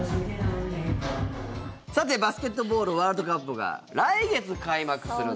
バスケットボールワールドカップが来月開幕する。